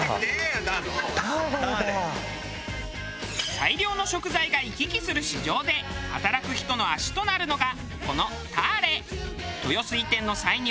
大量の食材が行き来する市場で働く人の足となるのがこのターレ。